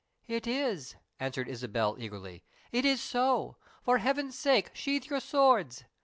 "It is," answered Isabella, eagerly, "it is so; for Heaven's sake sheathe your swords.